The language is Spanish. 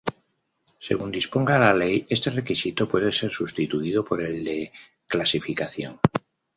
Según disponga la Ley, este requisito puede ser sustituido por el de clasificación.